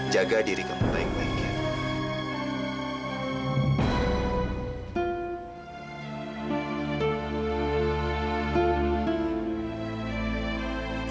jaga diri kamu baik baik ya